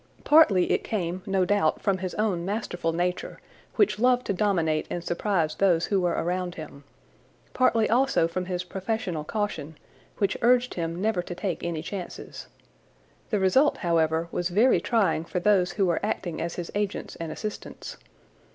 Partly it came no doubt from his own masterful nature, which loved to dominate and surprise those who were around him. Partly also from his professional caution, which urged him never to take any chances. The result, however, was very trying for those who were acting as his agents and assistants.